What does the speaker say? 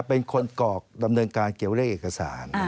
เป็นคนกรอกดำเนินการเกี่ยวเรื่องเอกสาร